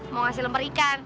mau ngasih lempar ikan